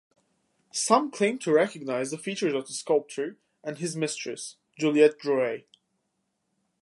Some claimed to recognize the features of the sculptor and his mistress, Juliette Drouet.